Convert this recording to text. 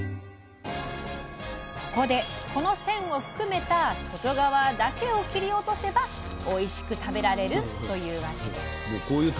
そこで、この線を含めた外側だけを切り落とせばおいしく食べられるというわけ。